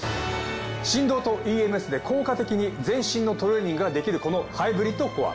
振動とＥＭＳで効果的に全身のトレーニングができるこのハイブリッドコア。